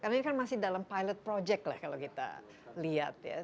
karena ini kan masih dalam pilot project lah kalau kita lihat ya